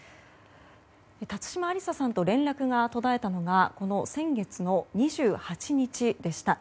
辰島ありささんと連絡が途絶えたのが先月の２８日でした。